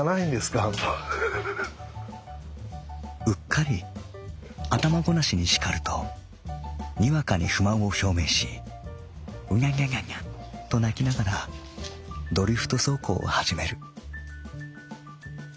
「うっかり頭ごなしに叱るとにわかに不満を表明しうにゃにゃにゃにゃと鳴きながらドリフト走行をはじめる」。